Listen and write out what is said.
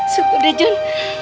sukur deh jon